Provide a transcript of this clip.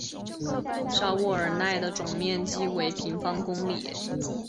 沙沃尔奈的总面积为平方公里。